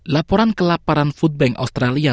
laporan kelaparan foodbank australia